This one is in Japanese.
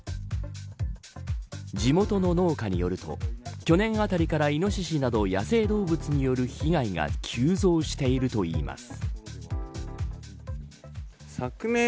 地元の農家によると去年あたりからイノシシなど野生動物による被害が急増しているといいます。